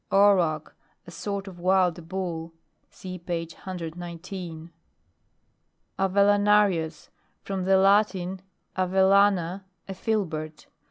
AUROCH. A sort of wild bull, (See page 119.) AVELLANARIUS. From the Latin, av ellana, a filbert.